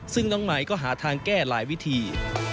ซึ่งน้องไหมก็หาทางแก้หลายวิธี